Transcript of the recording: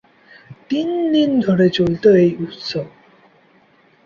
তিন দিন ধরে চলত এই উৎসব।